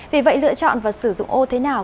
vì vậy lựa chọn và sử dụng ô thế nào